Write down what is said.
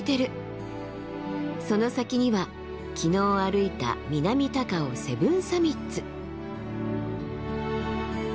その先には昨日歩いた南高尾セブンサミッツ。